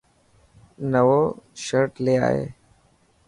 نئون شرٽ لي آءِ.